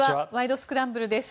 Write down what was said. スクランブル」です。